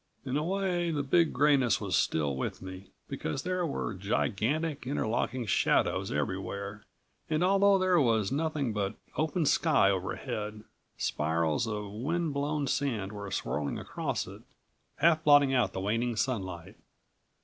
In a way, the Big Grayness was still with me, because there were gigantic, interlocking shadows everywhere and although there was nothing but open sky overhead spirals of wind blown sand were swirling across it, half blotting out the waning sunlight.